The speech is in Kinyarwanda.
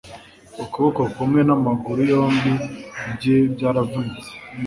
Ukuboko kumwe n'amaguru yombi bye byaravunitse